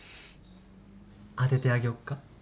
当ててあげよっか？